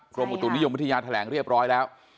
กรมอุตุนิยมวิทยาแถลงเรียบร้อยแล้ว